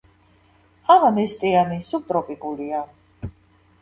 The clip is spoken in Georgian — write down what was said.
ჰავა ნესტიანი სუბტროპიკულია.